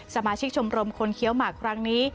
สมาชิกชมรมคนเคี้ยวหมากครั้งนี้